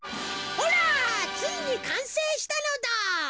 ほらついにかんせいしたのだ！